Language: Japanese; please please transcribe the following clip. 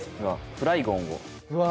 フライゴンを。